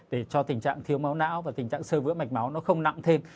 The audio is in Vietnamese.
để cho tình trạng thiếu máu não và tình trạng sơ vữa mạch máu nó không nặng thêm